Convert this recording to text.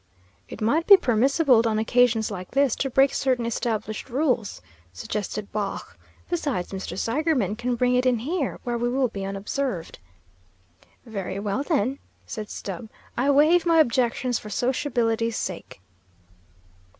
"It might be permissible on occasions like this to break certain established rules," suggested Baugh, "besides, Mr. Seigerman can bring it in here, where we will be unobserved." "Very well, then," said Stubb, "I waive my objections for sociability's sake."